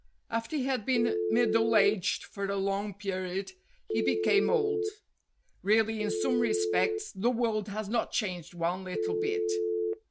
After he had been middle aged for a long period he became old. (Really in some respects the world has not changed one little bit.)